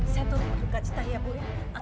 saya tuh mau duka cita ya bu ya